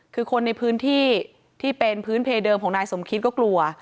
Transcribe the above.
คือคนในพื้นที่ที่เป็นพื้นเพเดิมของนายสมคิดก็กลัว